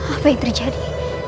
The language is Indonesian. apa yang terjadi